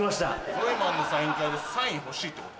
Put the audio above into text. ジョイマンのサイン会でサイン欲しいってこと？